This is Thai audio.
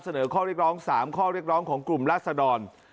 เสนอข้อเรียกร้อง๓ข้อเรียกร้องของกลุ่มราศดร